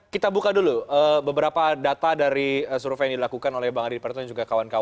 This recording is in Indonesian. kita buka dulu beberapa data dari survei yang dilakukan oleh bang arief pradhan